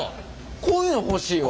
こういうの欲しいわ。